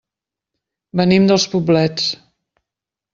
Venim dels Poblets.